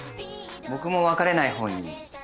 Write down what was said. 僕も別れない方に。